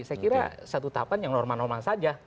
saya kira satu tahapan yang normal normal saja